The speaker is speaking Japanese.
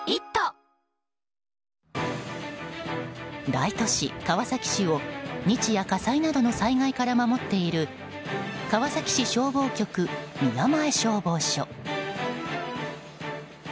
大都市・川崎市を日夜、火災などの災害から守っている川崎市消防局宮前消防署。